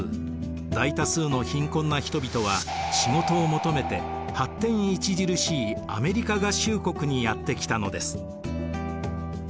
大多数の貧困な人々は仕事を求めて発展著しいアメリカ合衆国にやってきたのです。